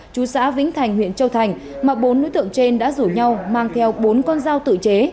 chú xã vĩnh thành huyện châu thành mà bốn đối tượng trên đã rủ nhau mang theo bốn con dao tự chế